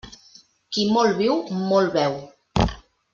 Qui molt viu, molt veu.